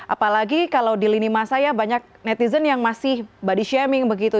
apalagi kalau di lini masa ya banyak netizen yang masih body shaming begitu